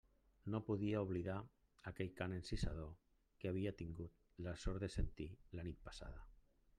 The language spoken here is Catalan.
No podia oblidar aquell cant encisador que havia tingut la sort de sentir la nit passada.